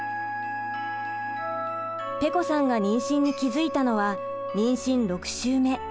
ぺこさんが妊娠に気付いたのは妊娠６週目。